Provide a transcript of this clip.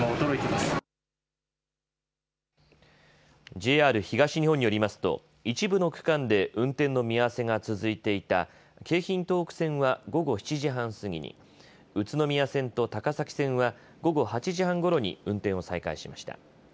ＪＲ東日本によりますと一部の区間で運転の見合わせが続いていた京浜東北線は午後７時半過ぎに、宇都宮線と高崎線は午後８時半ごろに運転を再開しました。